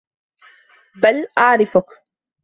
بَلْ أَعْرِفُك